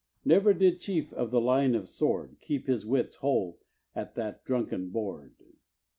Never did chief of the line of Sword Keep his wits whole at that drunken board.